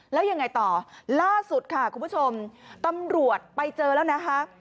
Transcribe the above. แล้วยังไงต่อล่าสุดค่ะคุณผู้ชมตำรวจไปเจอแล้วนะคะ